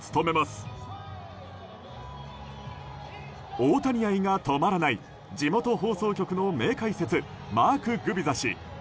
大谷愛が止まらない地元放送局の名解説マーク・グビザ氏。